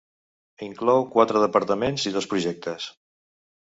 Inclou quatre departaments i dos projectes.